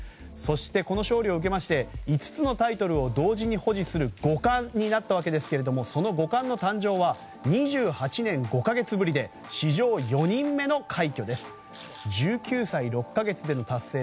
そして、この勝利を受けまして５つのタイトルを同時に保持する五冠になったわけですけれどもその五冠の誕生は２８年５か月ぶりで史上４人目の快挙です。